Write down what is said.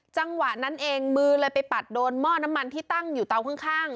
จังหวะนั้นเองมือเลยไปปัดโดนหม้อน้ำมันที่ตั้งอยู่เตาข้าง